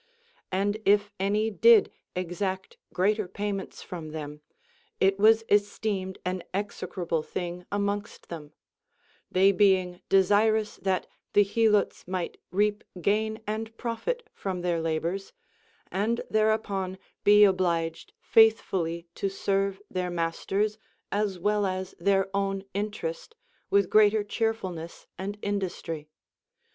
And if an ν did exact greater payments from them, it was esteemed an exe crable thing amongst them ; they being desirous that the Helots might reap gain and profit from their labors, and thereupon be obliged faithfully to serve their masters as Λvell as their own interest with greater cheerfulness and industry.